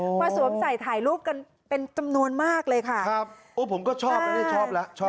โอ้โหมาสวมใส่ถ่ายรูปกันเป็นจำนวนมากเลยค่ะโอ้โหผมก็ชอบแล้วนี่ชอบแล้วชอบแล้ว